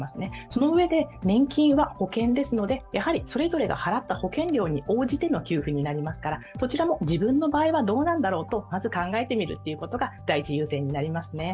そのうえで年金は保険ですので、それぞれが払った保険料に応じての給付になりますから、そちらも自分の場合はどうなんだろうとまず考えてみるっていうのが第一優先になりますね。